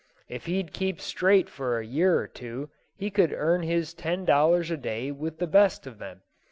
If he'd keep straight for a year or two, he could earn his ten dollars a day with the best of them.